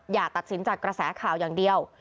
อย่าตัดสินจากกระแสข่าวอย่างเดียว